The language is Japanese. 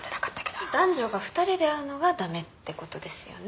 男女が２人で会うのが駄目ってことですよね？